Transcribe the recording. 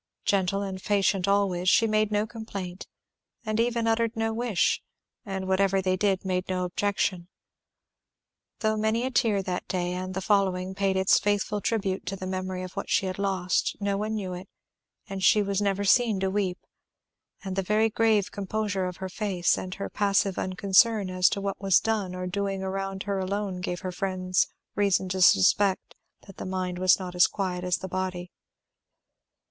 Gentle and patient always, she made no complaint, and even uttered no wish, and whatever they did made no objection. Though many a tear that day and the following paid its faithful tribute to the memory of what she had lost, no one knew it; she was never seen to weep; and the very grave composure of her face and her passive unconcern as to what was done or doing around her alone gave her friends reason to suspect that the mind was not as quiet as the body.